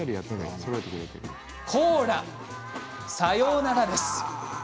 コーラさようならです。